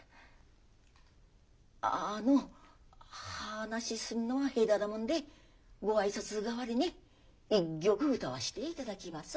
あの話すんのが下手なもんでご挨拶代わりに一曲歌わしていただきます。